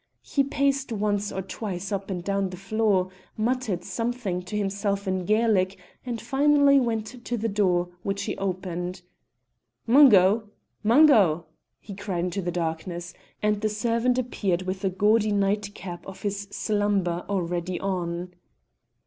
He paced once or twice up and down the floor, muttered something to himself in Gaelic, and finally went to the door, which he opened. "Mungo, Mungo!" he cried into the darkness, and the servant appeared with the gaudy nightcap of his slumber already on.